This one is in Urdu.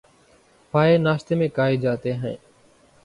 پائے ناشتے میں کھائے جاتے ہیں